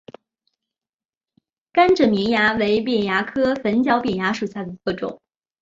甘蔗绵蚜为扁蚜科粉角扁蚜属下的一个种。